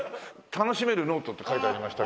楽しめるノートって書いてありましたけど。